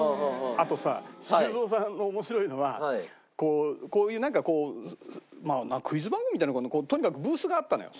あとさ修造さんの面白いのはこういうなんかこうまあクイズ番組みたいなとにかくブースがあったのよ。